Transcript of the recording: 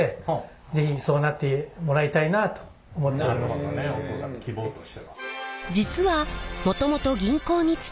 なるほどねお父さんの希望としては。